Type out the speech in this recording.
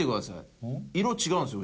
色違うんですよ